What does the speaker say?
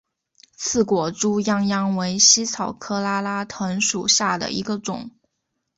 刺果猪殃殃为茜草科拉拉藤属下的一个种。